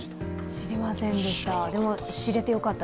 知りませんでした。